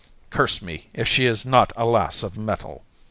"Curse me, if she is not a lass of metal!"